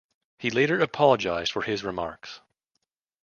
He later apologised for his remarks.